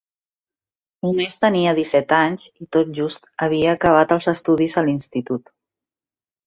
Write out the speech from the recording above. Només tenia disset anys i tot just havia acabat els estudis a l'institut.